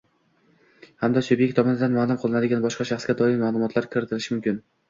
hamda subyekt tomonidan ma’lum qilinadigan boshqa shaxsga doir ma’lumotlar kiritilishi mumkin.